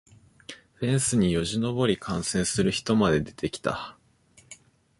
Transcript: フェンスによじ登り観戦する人まで出てきた